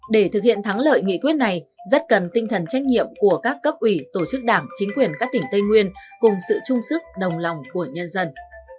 để thực hiện thắng lợi nghị quyết này rất cần tinh thần trách nhiệm của các cấp ủy tổ chức đảng chính quyền các tỉnh tây nguyên cùng sự chung sức đồng lòng của nhân dân